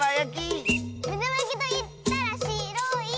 「めだまやきといったらしろい！」